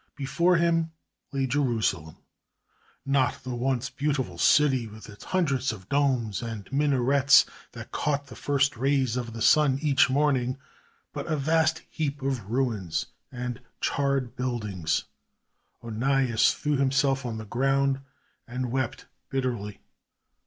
Before him lay Jerusalem, not the once beautiful city with its hundreds of domes and minarets that caught the first rays of the sun each morning, but a vast heap of ruins and charred buildings. Onias threw himself on the ground and wept bitterly.